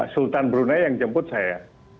sultan brunei yang jemput saya